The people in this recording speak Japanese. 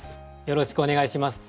よろしくお願いします。